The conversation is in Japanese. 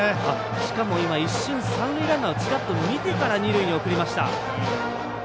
しかも今一瞬三塁ランナー、チラッと見てから二塁に送りました。